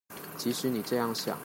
即使你這樣想